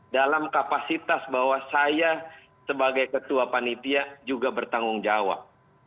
dalam kapasitas bahwa saya sebagai ketua panitia juga bertanggung jawab